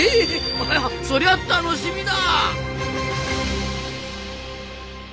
あそりゃ楽しみだ！